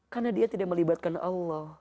karena dia tidak melibatkan allah